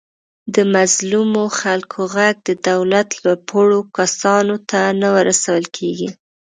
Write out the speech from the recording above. د مظلومو خلکو غږ د دولت لوپوړو کسانو ته نه ورسول کېږي.